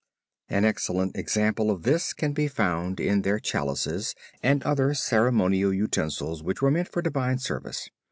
An excellent example of this can be found in their Chalices and other ceremonial utensils which were meant for Divine Service.